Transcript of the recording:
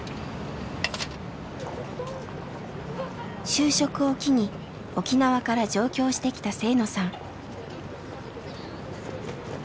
就職を機に沖縄から上京してきた制野さん。